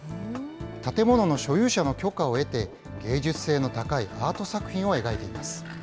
建物の所有者の許可を得て、芸術性の高いアート作品を描いています。